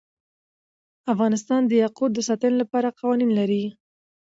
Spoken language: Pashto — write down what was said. افغانستان د یاقوت د ساتنې لپاره قوانین لري.